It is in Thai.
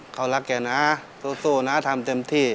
เขารักแกนะสู้นะทำเต็มที่